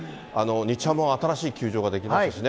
日ハムも新しい球場が出来ましたしね。